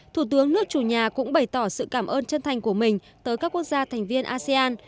thủ tướng nước chủ nhà cũng bày tỏ sự cảm ơn chân thành của mình tới các quốc gia thành viên asean